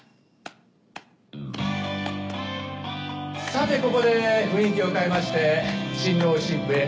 さてここで雰囲気を変えまして新郎新婦へ